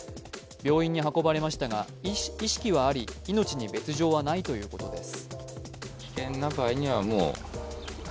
病院に運ばれましたが意識はあり命に別状はないということです。